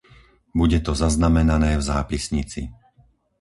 Bude to zaznamenané v zápisnici.